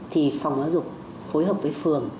thì phòng giáo dục phối hợp với phường